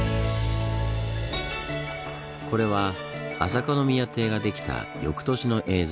これは朝香宮邸ができた翌年の映像。